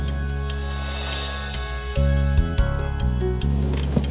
dia baru aja diperkosa sama orang